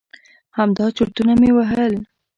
همدا چرتونه مې وهل.